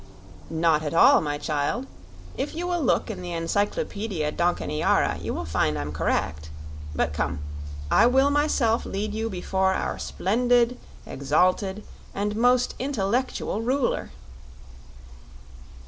"Not at all, my child. If you will look in the Encyclopedia Donkaniara you will find I'm correct. But come; I will myself lead you before our splendid, exalted, and most intellectual ruler."